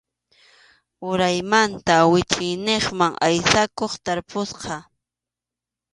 Uraymanta wichayniqman aysakuq tarpusqa.